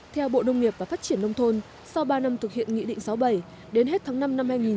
theo bộ nông nghiệp và phát triển nông thôn sau ba năm thực hiện nghị định sáu mươi bảy đến hết tháng năm năm hai nghìn một mươi chín